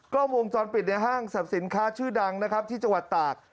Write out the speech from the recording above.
กล้องวงจรปิดในห้างสรรพสินค้าชื่อดังนะครับที่จังหวัดตาก